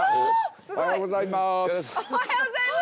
おはようございます。